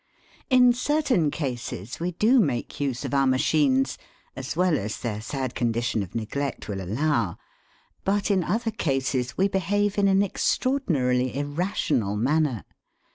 In certain cases we do make use of our machines (as well as their sad condition of neglect will allow), but in other cases we behave in an extraordinarily irrational manner.